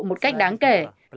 một cách đáng kể